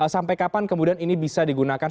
sampai kapan kemudian ini bisa digunakan